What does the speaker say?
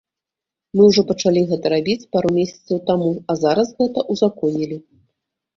Мы ўжо пачалі гэта рабіць пару месяцаў таму, а зараз гэта узаконілі.